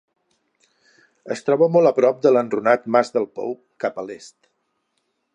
Es troba molt a prop de l'enrunat Mas del Pou, cap a l'Est.